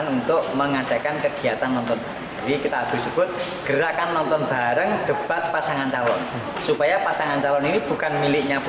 sebelumnya transmedia dan mnc group telah sukses sebagai penyelenggara debat pilkup jawa timur pada sepuluh april lalu